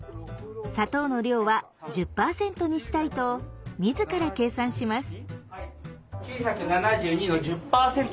砂糖の量は１０パーセントにしたいと自ら計算します。